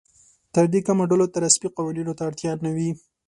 تر دې کمو ډلو ته رسمي قوانینو ته اړتیا نه وي.